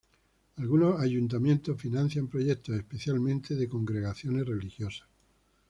Algunos Ayuntamientos financian proyectos especialmente de Congregaciones religiosas.